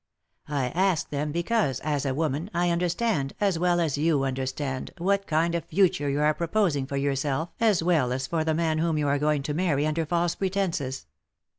" I ask them because, as a woman, I understand, as well as you understand, what kind of a future you are proposing for yourself as well as for the man whom you are going to marry under false pretences.